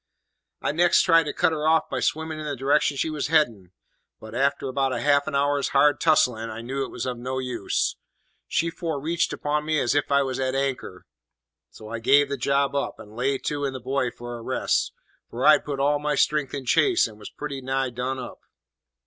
"I next tried to cut her off by swimming in the direction that she was heading, but after about half an hour's hard tusslin' I knowed it was no use; she fore reached upon me as if I was at anchor. So I give the job up, and lay to in the buoy for a rest, for I'd put out all my strength in chase, and was pretty nigh done up.